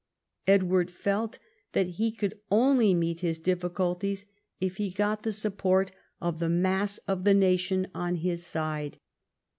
Edward felt that he could only meet his difficulties if he got the support of the 144 EDWARD I chap. mass of the nation on his side.